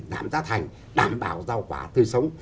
đảm giá thành đảm bảo giao quả tươi sống